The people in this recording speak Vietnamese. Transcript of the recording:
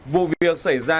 vụ việc xảy ra